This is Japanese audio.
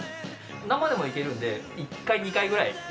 生でいけるんで１回２回くらい。